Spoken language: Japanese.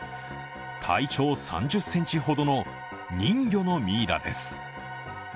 体長３０ｃｍほどの人魚のミイラです。